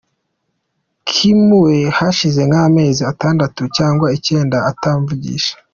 Kim we hashize nk’amezi atandatu cyangwa icyenda atamvugisha.